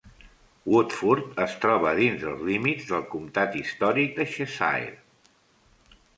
Woodford es troba dins dels límits del comptat històric de Cheshire.